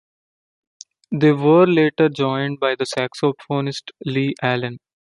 They were later joined by the saxophonist Lee Allen.